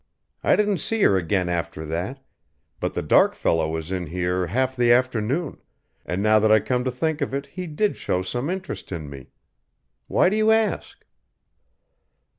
I didn't see her again after that, but the dark fellow was in here half of the afternoon, and now that I come to think of it he did show some interest in me. Why do you ask?"